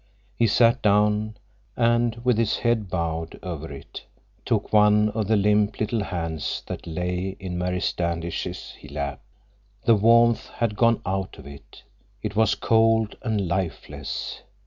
He sat down, and with his head bowed over it took one of the limp, little hands that lay in Mary Standish's lap. The warmth had gone out of it. It was cold and lifeless.